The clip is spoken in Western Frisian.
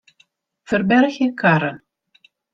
Ferbergje karren.